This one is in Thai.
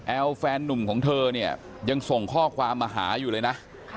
แฟนนุ่มของเธอเนี่ยยังส่งข้อความมาหาอยู่เลยนะ